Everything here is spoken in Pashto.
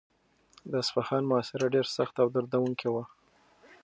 د اصفهان محاصره ډېره سخته او دردونکې وه.